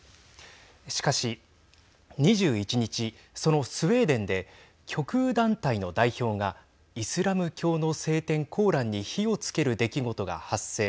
しかし２１日そのスウェーデンで極右団体の代表がイスラム教の聖典コーランに火をつける出来事が発生。